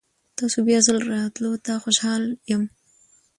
تاسو بیا ځل راتلو ته خوشحال یم.